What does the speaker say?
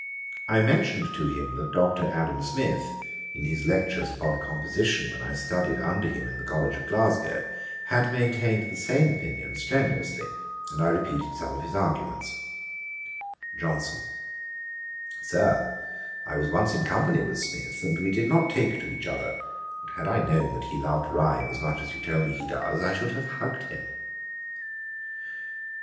I mentioned to him that Dr. Adam Smith, in his lectures upon composition, when I studied under him in the College of Glasgow, had maintained the same opinion strenuously, and I repeated some of his arguments. JOHNSON. 'Sir, I was once in company with Smith, and we did not take to each other; but had I known that he loved rhyme as much as you tell me he does, I should have HUGGED him.' [Page 428: The evidences of Christianity. A.D.